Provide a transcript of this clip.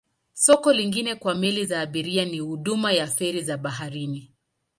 Soko lingine kwa meli za abiria ni huduma ya feri za baharini.